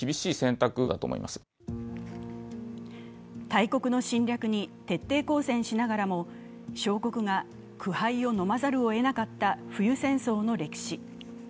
大国の侵略に徹底抗戦しながらも小国が苦杯を飲まざるをえなかった冬戦争の歴史。